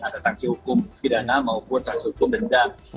dan ada sanksi hukum pidana maupun sanksi hukum denda